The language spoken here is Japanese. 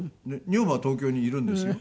女房は東京にいるんですよ。